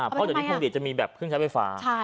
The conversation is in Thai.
เพราะว่าพวงหลีดจะมีแบบเครื่องใช้ไฟฟ้า